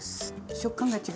食感が違う。